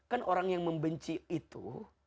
kan orang yang membenci itu